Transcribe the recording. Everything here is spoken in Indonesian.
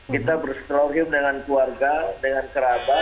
kita berseterohim dengan keluarga dengan kerabat